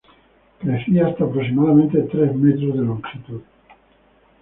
Crecía hasta aproximadamente tres metros de longitud.